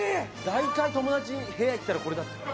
大体友達の部屋行ったらこれだったよ。